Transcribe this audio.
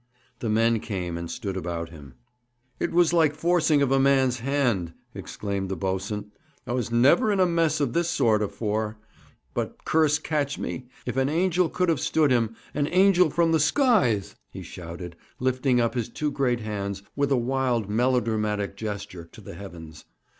The men came and stood about him. 'It was like forcing of a man's hand,' exclaimed the boatswain. 'I was never in a mess of this sort afore. But, curse catch me, if an angel could have stood him an angel from the skies!' he shouted, lifting up his two great hands, with a wild melodramatic gesture, to the heavens.